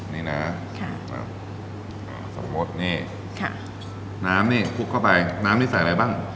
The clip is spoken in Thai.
นี่นะสมรสนี่ค่ะน้ำนี่คลุกเข้าไปน้ำนี่ใส่อะไรบ้าง